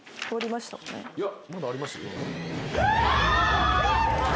まだありますよ。